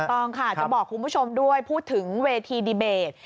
ต้องค่ะจะบอกคุณผู้ชมด้วยพูดถึงเวทีดีเบต